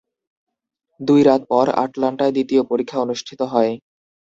দুই রাত পর আটলান্টায় দ্বিতীয় পরীক্ষা অনুষ্ঠিত হয়।